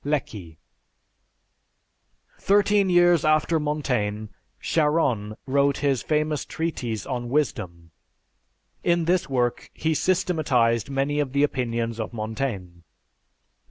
(Lecky.) Thirteen years after Montaigne, Charron wrote his famous treatise on Wisdom. In this work he systematized many of the opinions of Montaigne.